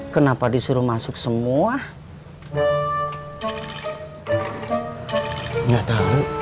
kenapa disuruh masuk semua